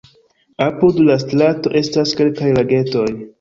Apud la strato estas kelkaj lagetoj.